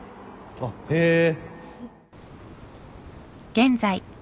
あっへぇ